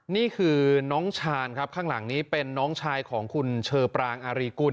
นี่คือน้องชาญครับข้างหลังนี้เป็นน้องชายของคุณเชอปรางอารีกุล